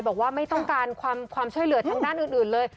บอกว่าไม่ต้องการความช่วยเหลือทางด้านอื่นเลย